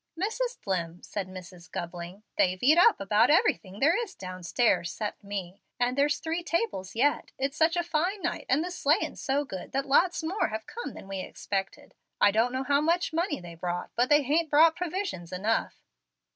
"Mrs. Dlimm," said Mrs. Gubling, "they've eat up about everything there is downstairs, 'cept me, and there's three tables yet It's such a fine night, and the sleighing's so good, that lots more have come than we expected. I don't know how much money they brought, but they hain't brought provisions enough."